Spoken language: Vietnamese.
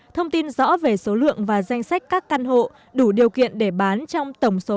thông tin rõ về số lượng và danh sách các căn hộ đủ điều kiện để bán trong tổng số